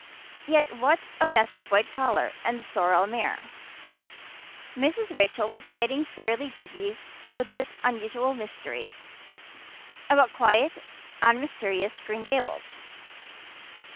Yet what of Matthew's white collar and the sorrel mare? Mrs. Rachel was getting fairly dizzy with this unusual mystery about quiet, unmysterious Green Gables.